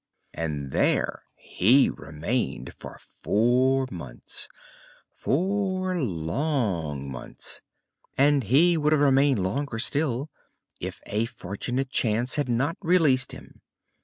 And there he remained for four months four long months and he would have remained longer still if a fortunate chance had not released him.